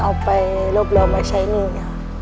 เอาไปรวบเรียวมาใช้หนึ่ง